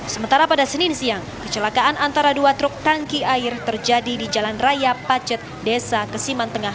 sementara pada senin siang kecelakaan antara dua truk tangki air terjadi di jalan raya pacet desa kesiman tengah